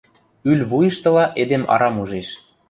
Ӱл вуйыштыла эдем арам ужеш.